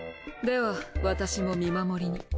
では私も見守りに。